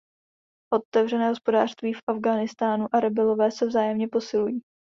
Otevřené hospodářství v Afghánistánu a rebelové se vzájemně posilují.